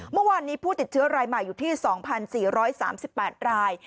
เมื่อวานนี้ผู้ติดเชื้อรายมาอยู่ที่สองพันสี่ร้อยสามสิบแปดราย